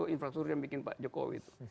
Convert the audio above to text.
infrastruktur yang bikin pak jokowi itu